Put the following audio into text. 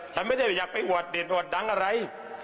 ฉันไม่ได้อยากไปอวดเด่นอวดดังอะไร